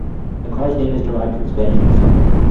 The car's name is derived from Spanish for "summit".